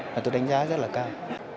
và tôi đánh giá rất là cao